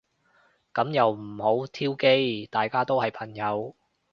噉又唔好挑機。大家都係朋友